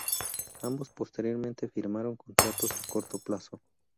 Ambos posteriormente firmaron contratos a corto plazo.